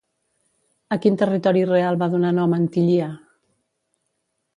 A quin territori real va donar nom Antillia?